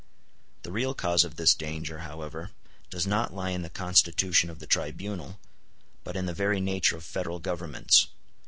The real cause of this danger, however, does not lie in the constitution of the tribunal, but in the very nature of Federal Governments.